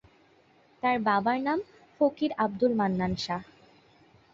তার বাবার নাম ফকির আবদুল মান্নান শাহ।